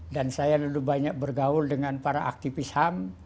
dan saya lalu banyak bergaul dengan para aktivis ham